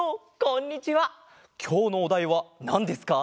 きょうのおだいはなんですか？